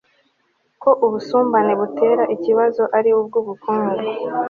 ko ubusumbane buteye ikibazo ari ubw'ubukungu